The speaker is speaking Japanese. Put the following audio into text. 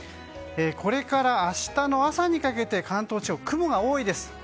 これから明日の朝にかけて関東地方は雲が多いです。